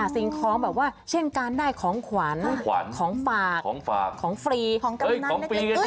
สิ่งของแบบว่าเช่นการได้ของขวัญของฝากของฟรีของกรรมนั่น